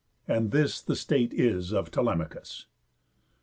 And this the state is of Telemachus."